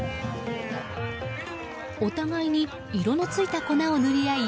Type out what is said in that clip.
お互いに色のついた粉を塗り合い